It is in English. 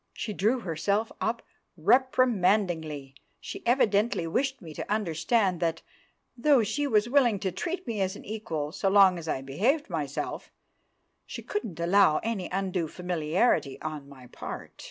She drew herself up reprimandingly; she evidently wished me to understand that, though she was willing to treat me as an equal so long as I behaved myself, she couldn't allow any undue familiarity on my part.